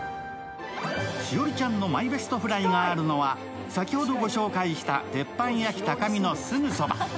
栞里ちゃんのマイベストフライがあるのは先ほどご紹介した鉄板焼き高見のすぐそば。